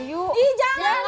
iy jangan mak